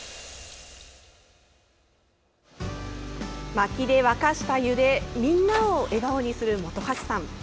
薪で沸かした湯でみんなを笑顔にする本橋さん。